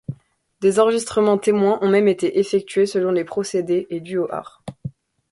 Des enregistrements témoins ont même été effectués selon les procédés et Duo-art.